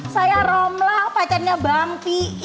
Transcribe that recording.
saya romla pacarnya bang p i